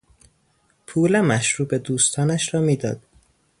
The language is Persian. پول مشروب دوستانش را میداد.